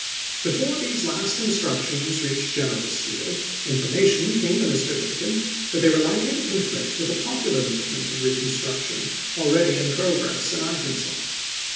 Before these last instructions reached General Steele, information came to Mr. Lincoln that they were likely to conflict with a popular movement of reconstruction already in progress in Arkansas.